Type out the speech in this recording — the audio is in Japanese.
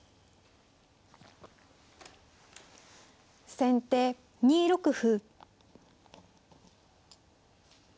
先手２六歩。